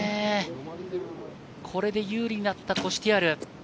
これで有利になったコシュティアル。